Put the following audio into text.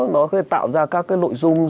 nó sẽ tạo ra các cái nội dung